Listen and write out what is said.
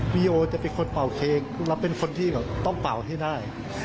วิโอจะเป็นคนเป่าเค้กแล้วเป็นคนที่แบบต้องเป่าให้ได้